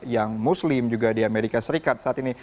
yang muslim juga di amerika serikat saat ini